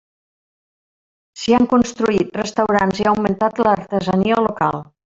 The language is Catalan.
S'hi han construït restaurants i ha augmentat l'artesania local.